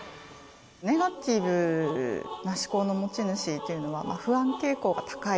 ネガティブな思考の持ち主というのは、不安傾向が高い。